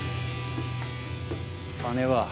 金は？